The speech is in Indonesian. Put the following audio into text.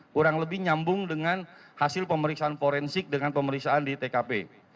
kurang lebih nyambung dengan hasil pemeriksaan forensik dengan pemeriksaan di tkp